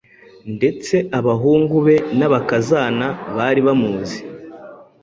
ndetse abahungu be n’abakazana bari bamuzi.